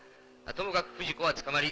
ともかく不二子は捕まり